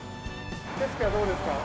景色はどうですか？